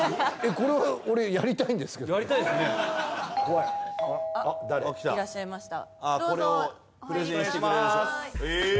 これ俺やりたいんですけどいらっしゃいましたどうぞ失礼します